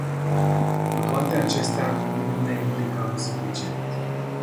Cu toate acestea, nu ne implicăm suficient.